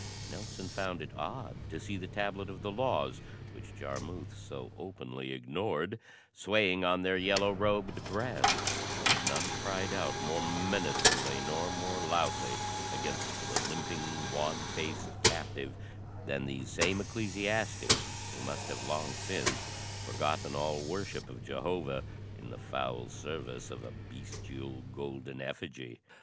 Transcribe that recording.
Nelson found it odd to see the Tablet of the Laws, which Jarmuth so openly ignored, swaying on their yellow robed breasts; and none cried out more menacingly nor more loudly against the limping, wan faced captive, than these same ecclesiastics, who must have long since forgotten all worship of Jehovah in the foul service of a bestial golden effigy.